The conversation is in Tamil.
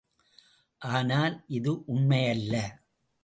ஆனால், இது உண்மையல்ல.